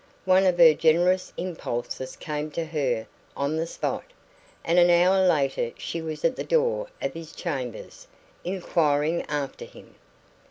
One of her generous impulses came to her on the spot, and an hour later she was at the door of his chambers, inquiring after him.